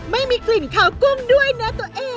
ไม่มีกลิ่นขาวกุ้งด้วยนะตัวเอง